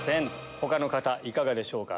他の方いかがでしょうか？